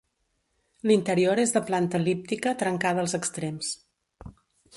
L'interior és de planta el·líptica trencada als extrems.